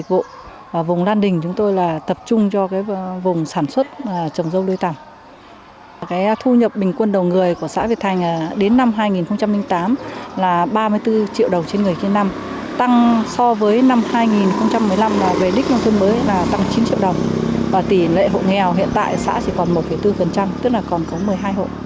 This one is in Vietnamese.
từ quan điểm đó chân yên tập trung đầu tư phát triển sản xuất chăn nuôi nâng cao thu nhập cho nhiều xã hoàn thành mục tiêu xây dựng nông tôn mới